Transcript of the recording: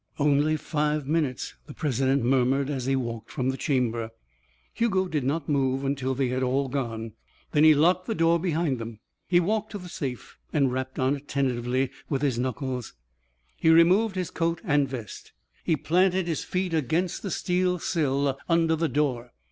"Only five minutes," the president murmured as he walked from the chamber. Hugo did not move until they had all gone. Then he locked the door behind them. He walked to the safe and rapped on it tentatively with his knuckles. He removed his coat and vest. He planted his feet against the steel sill under the door.